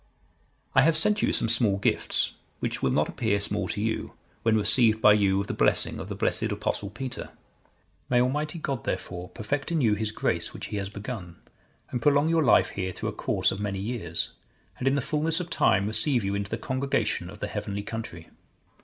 "I have sent you some small gifts, which will not appear small to you, when received by you with the blessing of the blessed Apostle, Peter. May Almighty God, therefore, perfect in you His grace which He has begun, and prolong your life here through a course of many years, and in the fulness of time receive you into the congregation of the heavenly country.